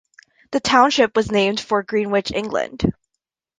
The township was named for Greenwich, England.